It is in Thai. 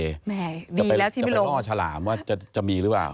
จะไปล่อฉลามว่าจะมีหรือเปล่า